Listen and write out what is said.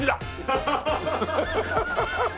ハハハハッ！